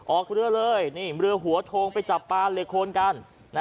ออกเรือเลยนี่เรือหัวโทงไปจับปลาเหล็กโคนกัน